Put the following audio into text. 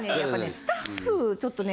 スタッフちょっとね